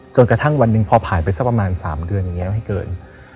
จนกระทั่งวันหนึ่งพอผ่านไปประมาณสามเดือน